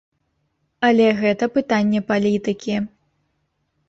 Але гэта пытанне палітыкі.